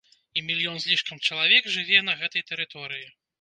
І мільён з лішкам чалавек жыве на гэтай тэрыторыі.